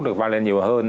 được vang lên nhiều hơn